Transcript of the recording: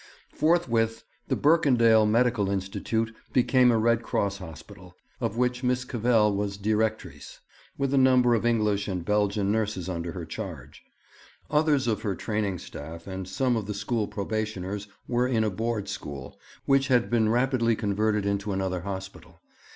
Forthwith the Berkendael Medical Institute became a Red Cross Hospital, of which Miss Cavell was directrice, with a number of English and Belgian nurses under her charge. Others of her training staff and some of the school probationers were in a board school, which had been rapidly converted into another hospital.